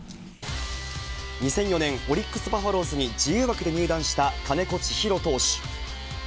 ２００４年、オリックスバファローズに自由枠で入団した金子千尋投手。